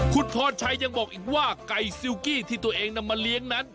คุณพรชัยยังบอกอีกว่าไก่ซิลกี้ที่ตัวเองนำมาเลี้ยงนั้น